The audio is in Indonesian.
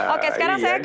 oke sekarang saya ke